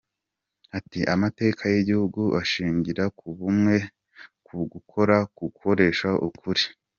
Ati “Amateka y’igihugu ashingira ku bumwe, ku gukora, ku gukoresha ukuri.